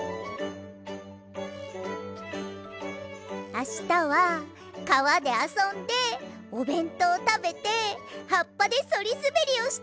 あしたはかわであそんでおべんとうたべてはっぱでそりすべりをして。